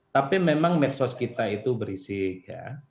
tapi memang medsos kita itu berisik ya